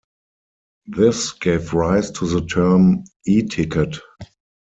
This gave rise to the term "E "ticket".